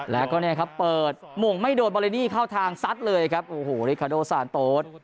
แล้วก็เนี่ยครับเปิดหม่งไม่โดนบอเรนี่เข้าทางซัดเลยครับโอ้โหริคาโดซานโต๊ด